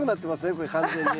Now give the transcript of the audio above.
これ完全に。